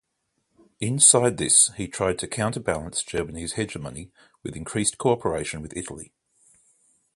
Inside this he tried to counterbalance Germany's hegemony with increased cooperation with Italy.